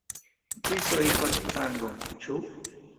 Vi soifas sangon, ĉu?